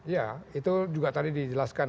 ya itu juga tadi dijelaskan